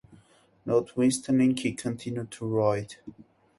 Notwithstanding, he continued to write.